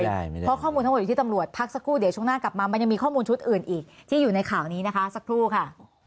เพราะข้อมูลทั้งหมดอยู่ที่ตำรวจพักสักครู่เดี๋ยวช่วงหน้ากลับมามันยังมีข้อมูลชุดอื่นอีกที่อยู่ในข่าวนี้นะคะสักครู่ค่ะ